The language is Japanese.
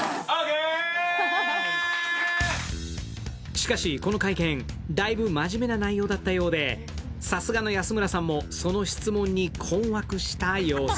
しかしこの会見、だいぶ真面目な内容だったようで、さすがの安村さんもその質問に困惑した様子。